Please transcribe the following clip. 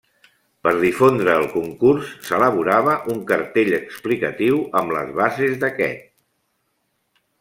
Per difondre el concurs s’elaborava un cartell explicatiu amb les bases d'aquest.